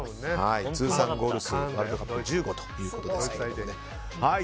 通算ゴール数はワールドカップ１５ということですけどもね。